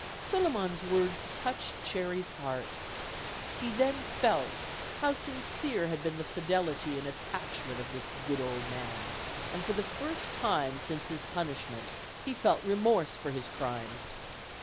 Suliman's words touched Cherry's heart. He then felt how sincere had been the fidelity and attachment of this good old man; and for the first time since his punish ment he felt remorse for his crimes.